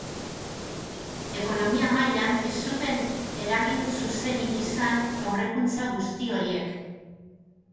Ekonomia mailan ez zuten eragin zuzenik izan aurrerakuntza guzti horiek.